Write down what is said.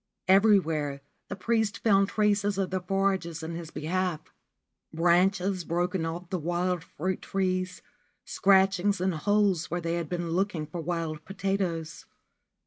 Everywhere the priest found traces of their forages in his behalf, — branches broken off the wild fruit trees, scratchings and holes where they had been looking for wild potatoes.